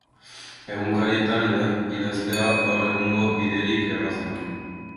Egunkarietan idaztea, gaur egungo biderik errazena.